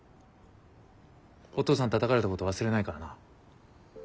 お父さんたたかれたこと忘れないからな。